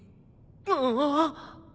ああ。